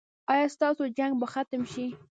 ایا ستاسو جنګ به ختم شي؟